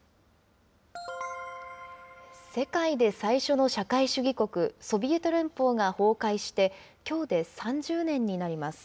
世界で最初の社会主義国、ソビエト連邦が崩壊してきょうで３０年になります。